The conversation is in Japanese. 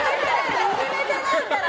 いじめてないから！